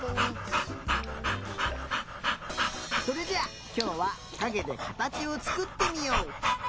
それじゃあきょうはかげでかたちをつくってみよう！